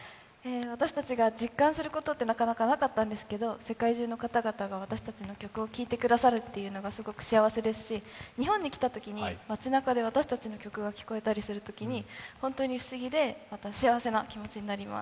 私たちが実感することってなかなかなかったんですけれども、世界中の方々が私たちの曲を聴いてくださるということがすごく幸せですし、日本に来たときに、街なかで私たちの曲が聞こえたりするときに、本当に不思議で、幸せな気持ちになります。